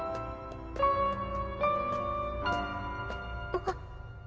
あっ。